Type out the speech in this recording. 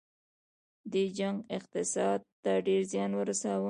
دې جنګ اقتصاد ته ډیر زیان ورساوه.